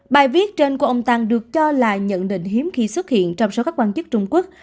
bài viết trên của ông tăng được cho là nhận định hiếm khi xuất hiện trong số các quan chức trung quốc